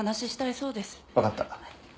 わかった。